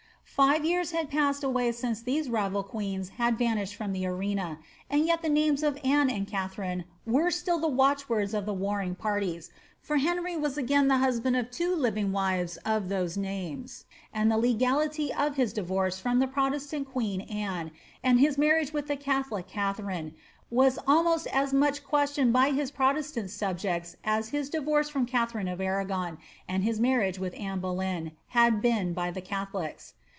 Five years had passed away since these rival queens had vanished from the arena, and 3ret the names of Anne and Katharine were still the watchwords of the warring parties, for Henry was again the husband ef two living wives of those names, and the legality of his divorce from the protestant queen Anne, and his marriage with the catholic Katha fiae, was almost as much questioned by his protestant subjects as his *Aott of PriT7 GooMil, voL viL 300 XATHARIRB HOWARD. divorce from Katharine of Arragon, and his marriage with Anne Boleyn, had been by the catholics.